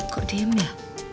kok diem ya